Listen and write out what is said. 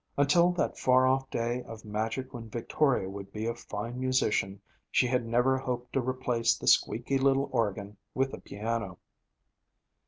Until that far off day of magic when Victoria should be a fine musician, she had never hoped to replace the squeaky little organ with a piano.